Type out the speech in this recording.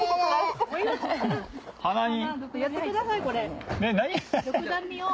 鼻に。